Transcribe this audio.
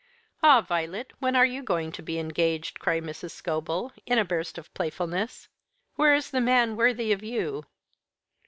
"Ah, Violet, when are you going to be engaged?" cried Mrs. Scobel, in a burst of playfulness. "Where is the man worthy of you?"